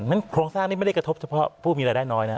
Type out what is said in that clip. โครงสร้างนี้ไม่ได้กระทบเฉพาะผู้มีรายได้น้อยนะ